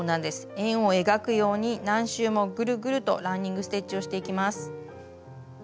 円を描くように何周もぐるぐるとランニング・ステッチをしていきます。